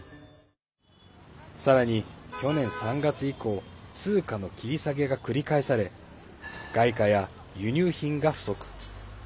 さらに去年３月以降通貨の切り下げが繰り返され外貨や輸入品が不足。